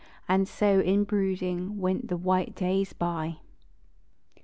And so, in brooding, went the white days by.